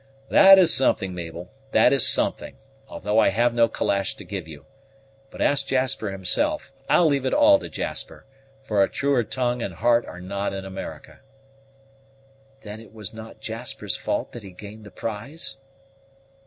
"That is something, Mabel, that is something; although I have no calash to give you! But ask Jasper himself; I'll leave it all to Jasper, for a truer tongue and heart are not in America." "Then it was not Jasper's fault that he gained the prize?"